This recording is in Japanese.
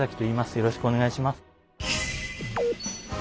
よろしくお願いします。